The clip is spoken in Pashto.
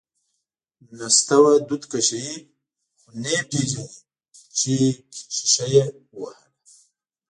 نستوه دود کشوي، خو نه یې پېژني چې شیشه یې ووهله…